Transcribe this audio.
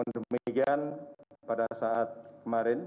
demikian pada saat kemarin